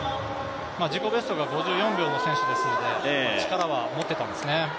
自己ベストが５４秒の選手ですので力は持っていたんですね。